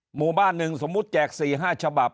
หมู่บ้านหนึ่งสมมุติแจก๔๕ฉบับ